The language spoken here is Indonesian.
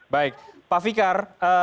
baik pak fikar